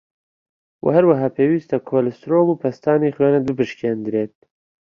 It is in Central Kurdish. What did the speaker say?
وه هەروەها پێویسته کۆلسترۆڵ و پەستانی خوێنت بپشکێندرێت